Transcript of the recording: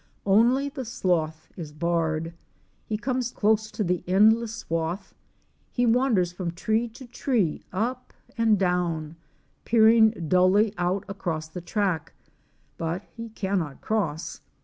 Only the sloth is barred. He comes close to the endless swath; he wanders from tree to tree up and down, peering dully out across the track, but he cannot cross.